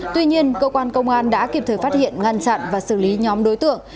tuy nhiên cơ quan công an đã kịp thời phát hiện ngăn chặn và xử lý nhóm đối tượng